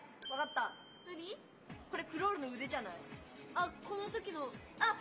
あっこのときのあっ！